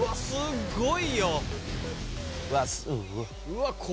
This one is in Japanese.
すごいよ！！